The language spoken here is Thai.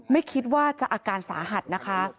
ไม่คิดว่าจะอาการสาหัสนะคะ